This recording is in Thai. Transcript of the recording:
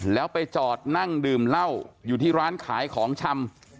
แล้วไปจอดนั่งดื่มเหล้าอยู่ที่ร้านขายของชำ